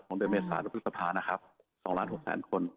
เดือนเมษาและพฤษภานะครับ๒ล้าน๖แสนคน